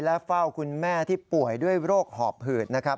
และเฝ้าคุณแม่ที่ป่วยด้วยโรคหอบหืดนะครับ